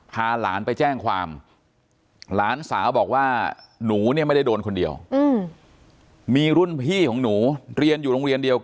พาหลานไปแจ้งความหลานสาวบอกว่าหนูเนี่ยไม่ได้โดนคนเดียวอืม